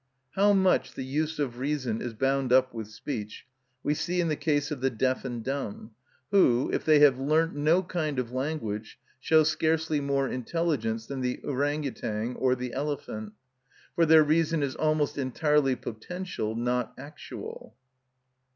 How much the use of reason is bound up with speech we see in the case of the deaf and dumb, who, if they have learnt no kind of language, show scarcely more intelligence than the ourang outang or the elephant. For their reason is almost entirely potential, not actual.